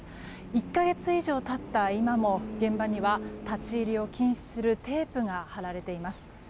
１か月以上経った今も現場には、立ち入りを禁止するテープが張られています。